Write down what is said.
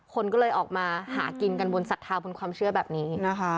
คนก็เลยออกมาหากินกันบนสัตว์เท้าบนความเชื่อแบบนี้